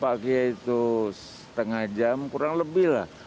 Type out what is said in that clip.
pagi itu setengah jam kurang lebih lah